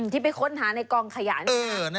ที่ไปค้นหาในกองขยะนี่